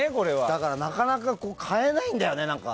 だからなかなか買えないんだよね。